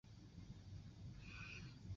卢家进和妻子有两人孩子。